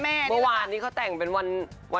เมื่อวานนี้เขาแต่งเป็นวัน